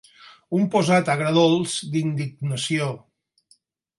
Un posat agre-dolç d'indignació.